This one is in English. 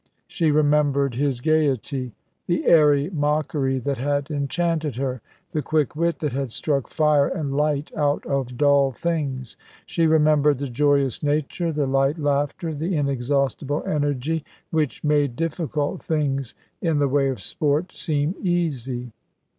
She remembered his gaiety. The airy mockery that had enchanted her, the quick wit that had struck fire and light out of dull things. She remembered the joyous nature, the light laughter, the inexhaustible energy which made difficult things in the way of sport seem easy.